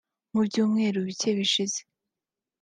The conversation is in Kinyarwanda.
Mu byumweru bike bishize